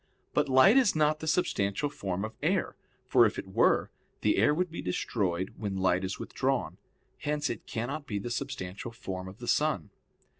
But light is not the substantial form of air, for if it were, the air would be destroyed when light is withdrawn. Hence it cannot be the substantial form of the sun.